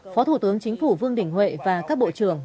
phó thủ tướng chính phủ vương đình huệ và các bộ trưởng